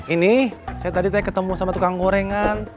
ini saya tadi ketemu sama tukang gorengan